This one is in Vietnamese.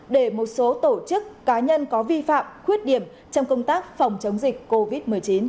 để một số tổ chức cá nhân có vi phạm khuyết điểm trong công tác phòng chống dịch covid một mươi chín